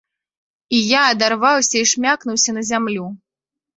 І я адарваўся і шмякнуўся на зямлю.